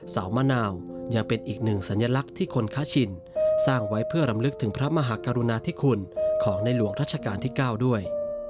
มะนาวยังเป็นอีกหนึ่งสัญลักษณ์ที่คนค้าชินสร้างไว้เพื่อรำลึกถึงพระมหากรุณาธิคุณของในหลวงรัชกาลที่๙ด้วย